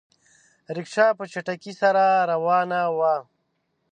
رکشه په چټکۍ سره روانه وه.